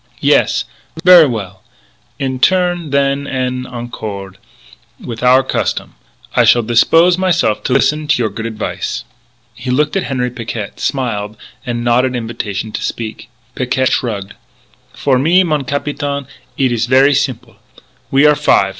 Yes? Ver' well; in turn, then, en accord with our custom, I shall dispose myse'f to listen to your good advice." He looked at Henri Picquet, smiled and nodded invitation to speak. Picquet shrugged: "For me, mon capitaine, eet ees ver' simple. We are five.